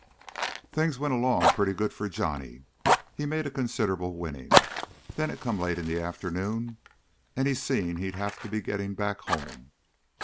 "Things went along pretty good for Johnny. He made a considerable winning. Then it come late in the afternoon, and he seen he'd have to be getting back home.